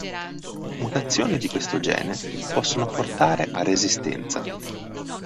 Mutazioni di questo gene possono portare a resistenza.